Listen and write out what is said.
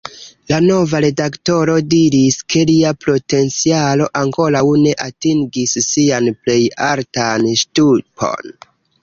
La nova redaktoro diris, ke lia potencialo ankoraŭ ne atingis sian plej altan ŝtupon.